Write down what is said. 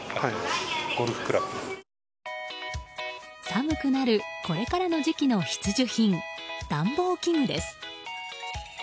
寒くなるこれからの時期の必需品、暖房器具です。